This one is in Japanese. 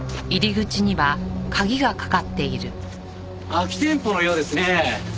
空き店舗のようですね。